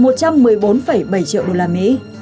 một trăm một mươi bốn bảy triệu usd